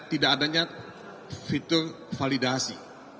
tidak adanya fitur validasi